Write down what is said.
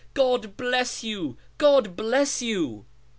God bless you 1 God bless you